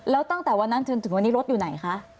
แล้วตั้งแต่วันนั้นจนถึงวันนี้รถอยู่ไหนคะ